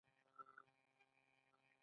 دا د تولید د وسایلو له ویش سره تړاو لري.